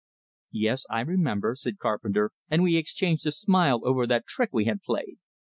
"Yes, I remember," said Carpenter; and we exchanged a smile over that trick we had played.